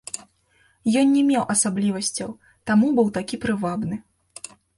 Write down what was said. Ён не меў асаблівасцяў, таму быў такі прывабны.